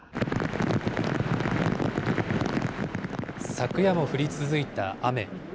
昨夜も降り続いた雨。